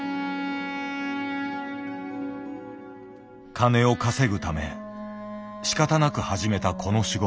金を稼ぐためしかたなく始めたこの仕事。